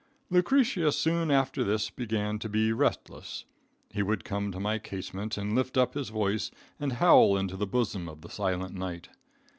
Lucretia soon after this began to be restless. He would come to my casement and lift up his voice, and howl into the bosom of the silent night.